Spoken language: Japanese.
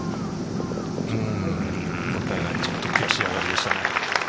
ちょっと悔しい上がりでしたね。